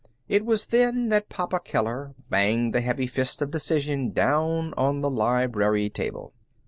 It was then that Papa Keller banged the heavy fist of decision down on the library table.